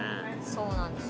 そうなんです。